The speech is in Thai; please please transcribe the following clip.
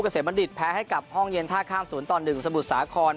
เกษตรบัณฑิตแพ้ให้กลับห้องเย็นท่าข้ามศูนย์ต่อ๑สมุทรสาขร